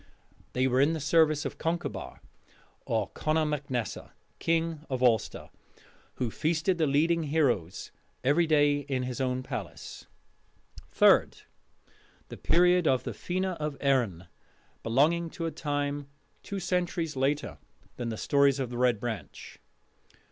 They were in the service of Concobar or Conor mac Nessa, king of Ulster, who feasted the leading heroes every day in his own palace. Third: The Period of the Fena of Erin, belonging to a time two centuries later than the stories of the Red Branch.